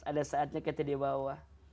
ada saatnya kita di bawah